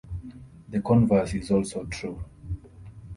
The converse is also true.